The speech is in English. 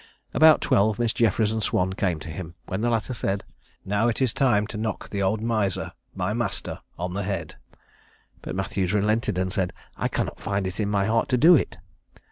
About twelve Miss Jeffries and Swan came to him; when the latter said, "Now it is time to knock the old miser, my master, on the head;" but Matthews relented and said, "I cannot find it in my heart to do it."